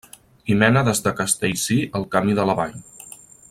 Hi mena des de Castellcir el Camí de la Vall.